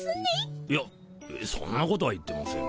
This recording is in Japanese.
いやそんなことは言ってませんが。